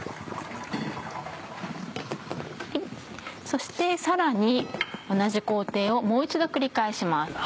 そしてさらに同じ工程をもう一度繰り返します。